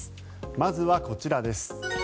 まずはこちらです。